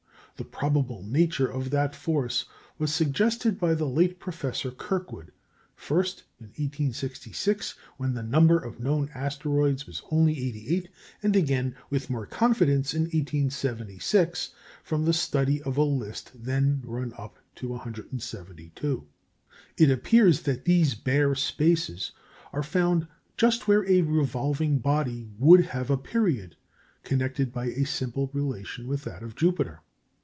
The probable nature of that force was suggested by the late Professor Kirkwood, first in 1866, when the number of known asteroids was only eighty eight, and again with more confidence in 1876, from the study of a list then run up to 172. It appears that these bare spaces are found just where a revolving body would have a period connected by a simple relation with that of Jupiter.